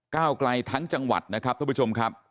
ก้าวไกลทั้งจังหวัดนะครับท่านผู้ชมครับ